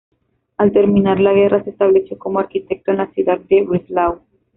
Al terminar la guerra se estableció como arquitecto en la ciudad de Breslau.